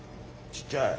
ちっちゃい。